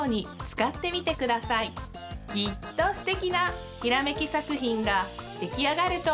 きっとすてきなひらめきさくひんができあがるとおもいます。